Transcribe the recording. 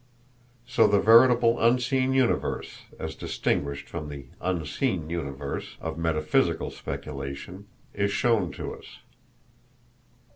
So the veritable unseen universe, as distinguished from the "unseen universe" of metaphysical speculation, is shown to us.